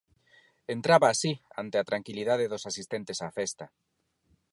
Entraba así ante a tranquilidade dos asistentes á festa.